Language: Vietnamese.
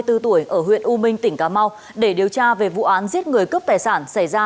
ba mươi bốn tuổi ở huyện u minh tỉnh cà mau để điều tra về vụ án giết người cướp tài sản xảy ra